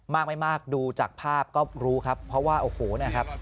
ไม่มากดูจากภาพก็รู้ครับเพราะว่าโอ้โหเนี่ยครับ